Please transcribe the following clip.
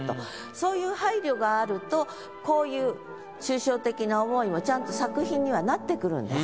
そういう配慮があるとこういう抽象的な思いもちゃんと作品にはなってくるんです。